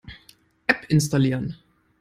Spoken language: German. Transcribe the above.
App installieren.